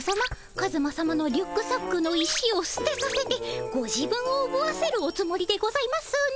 カズマさまのリュックサックの石をすてさせてご自分をおぶわせるおつもりでございますね。